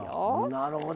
なるほど。